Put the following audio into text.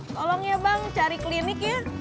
tolong ya bang cari klinik yuk